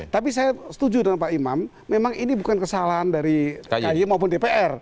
tapi saya setuju dengan pak imam memang ini bukan kesalahan dari ahy maupun dpr